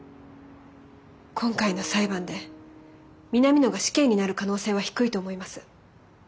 今回の裁判で南野が死刑になる可能性は低いと思います。